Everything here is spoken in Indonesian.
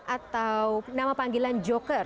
atau nama panggilan joker